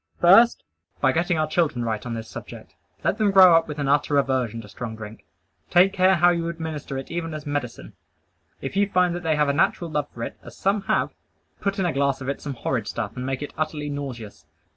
First, by getting our children right on this subject. Let them grow up with an utter aversion to strong drink. Take care how you administer it even as medicine. If you find that they have a natural love for it, as some have, put in a glass of it some horrid stuff and make it utterly nauseous.